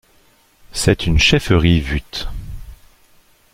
C'est une chefferie vute.